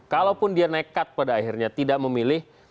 kalaupun dia nekat pada akhirnya tidak memilih